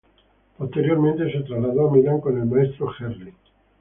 Posteriormente, se trasladó a Milán con el maestro Gerli.